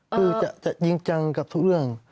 คือจะจริงจังกับทุกเรื่อง